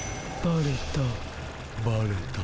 バレた？